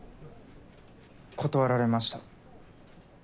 断られました。